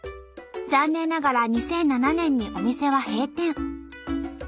残念ながら２００７年にお店は閉店。